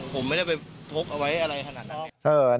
ผมไม่ได้ไปพกเอาไว้อะไรขนาดนั้น